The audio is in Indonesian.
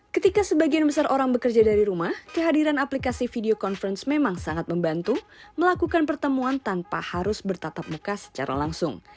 ketika sebagian besar orang bekerja dari rumah kehadiran aplikasi video conference memang sangat membantu melakukan pertemuan tanpa harus bertatap muka secara langsung